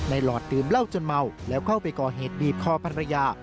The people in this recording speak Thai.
หลอดดื่มเหล้าจนเมาแล้วเข้าไปก่อเหตุบีบคอภรรยา